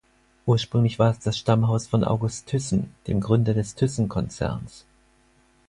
Ursprünglich war es das Stammhaus von August Thyssen, dem Gründer des Thyssen-Konzerns.